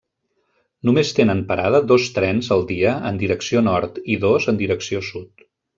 Només tenen parada dos trens al dia en direcció nord i dos en direcció sud.